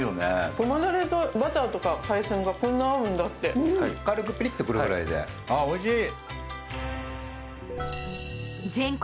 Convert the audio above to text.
ごまだれとバターとか海鮮がこんな合うんだって軽くピリッとくるぐらいでああおいしい全国